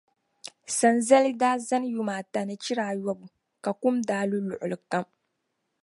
sanzali daa zani yuma ata ni chira ayɔbu ka kum daa lu luɣili kam.